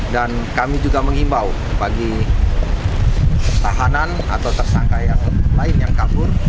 dan kami juga mengimbau bagi tahanan atau tersangka yang lain yang kabur